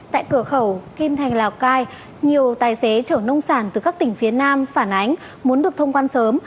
tại cửa khẩu kim thành lào cai nhiều tài xế chở nông sản từ các tỉnh phía nam phản ánh muốn được thông quan sớm